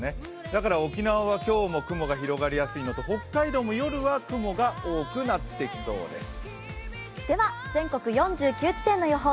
だから沖縄は今日も雲が広がりやすいのと北海道も夜は雲が多くなってきそうです。